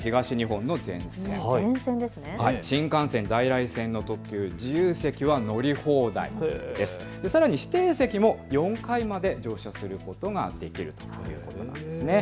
対象はまずＪＲ東日本の全線、新幹線在来線の特急、自由席は乗り放題、さらに指定席も４回まで乗車することができるということなんです。